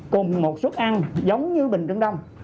cùng một xuất ăn giống như bình trưng đông